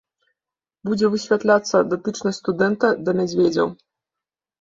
Будзе высвятляцца датычнасць студэнта да мядзведзяў.